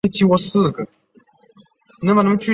也有些小公司还接受特制的订单。